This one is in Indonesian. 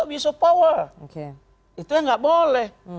abuse of power itu enggak boleh